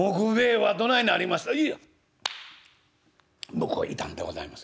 向こうに行たんでございます」。